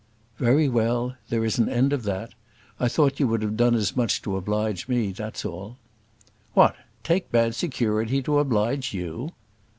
"Very well; there is an end of that. I thought you would have done as much to oblige me, that is all." "What! take bad security to oblige you?"